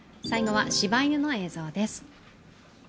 最後は、しば犬の映像です。